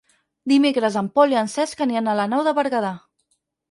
Dimecres en Pol i en Cesc aniran a la Nou de Berguedà.